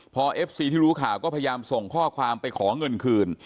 พอเอฟซีที่รู้ข่าวก็พยายามส่งข้อความไปขอเงินคืน